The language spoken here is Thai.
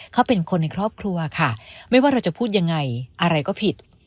เขาเป็นคนในครอบครัวค่ะไม่ว่าเราจะพูดยังไงอะไรก็ผิด